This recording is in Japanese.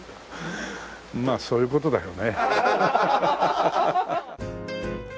まあそういう事だよね。